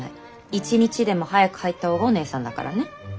一日でも早く入った方がお姐さんだからね。